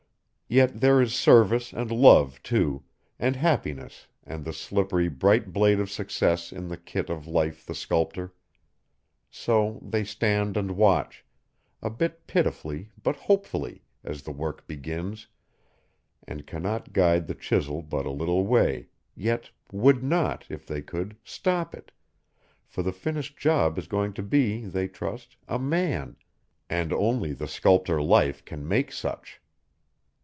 Yet there is service and love, too, and happiness and the slippery bright blade of success in the kit of Life the sculptor; so they stand and watch, a bit pitifully but hopefully, as the work begins, and cannot guide the chisel but a little way, yet would not, if they could, stop it, for the finished job is going to be, they trust, a man, and only the sculptor Life can make such.